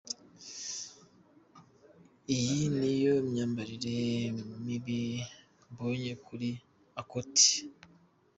iyi niyo myambarire mibi mbonye kuri Akothee.